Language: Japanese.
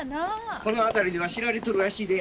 この辺りでは知られとるらしいで。